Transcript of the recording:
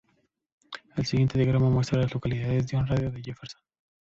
El siguiente diagrama muestra a las localidades en un radio de de Jefferson.